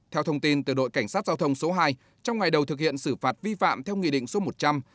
theo thông tin từ đội cảnh sát giao thông số hai trong ngày đầu thực hiện xử phạt vi phạm theo nghị định số một trăm linh